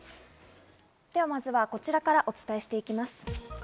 まずはこちらからお伝えします。